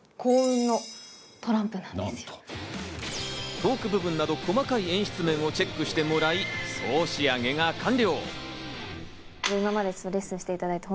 トーク部分など細かい演出面もチェックしてもらい、総仕上げが完了。